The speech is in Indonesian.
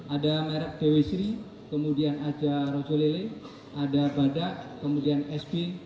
ada merek dewi sri kemudian ada rojo lele ada badak kemudian sp